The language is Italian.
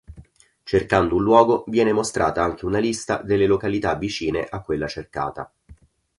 Cercando un luogo viene mostrata anche una lista delle località vicine a quella cercata.